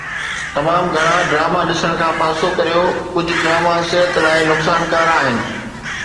تمام گھڻا ڊراما ڏسڻ کان پاسو ڪريو ڪجھ ڊراما صحت لاءِ نقصانڪار آھن